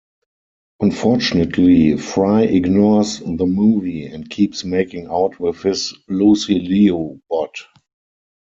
Unfortunately, Fry ignores the movie, and keeps making out with his Lucy Liu-bot.